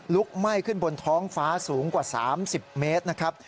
ไหม้ขึ้นบนท้องฟ้าสูงกว่า๓๐เมตรนะครับ